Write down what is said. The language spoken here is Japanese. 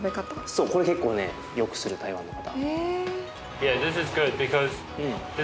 そうこれ結構ねよくする台湾の方。